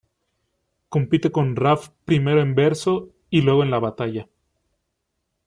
Compite con Hrafn primero en verso, y luego en la batalla.